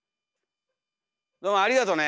どうもありがとね。